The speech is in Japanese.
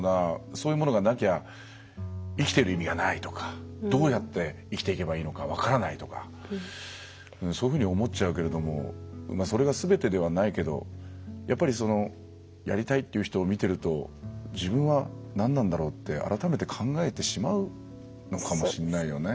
そういうものがなきゃ生きてる意味がないとかどうやって生きていけばいいのか分からないとかそういうふうに思っちゃうけれどもそれが全てではないけどやっぱりやりたいっていう人を見てると自分は何なんだろうって改めて考えてしまうのかもしんないよね。